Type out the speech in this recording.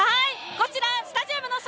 こちらスタジアムの外